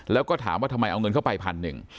แล้วก็ถามว่าทำไมเอาเงินเข้าไปพันหนึ่ง